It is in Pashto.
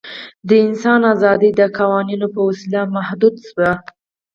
د انسان آزادي د قوانینو په وسیله محدوده شوې.